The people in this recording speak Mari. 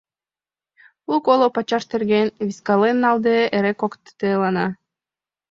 Лу-коло пачаш терген, вискален налде, эре коктелана.